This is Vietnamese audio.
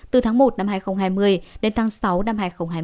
từ tháng một năm hai nghìn hai mươi đến tháng sáu năm hai nghìn hai mươi